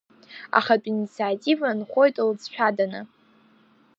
Ахатә инициатива нхоит лҵшәаданы.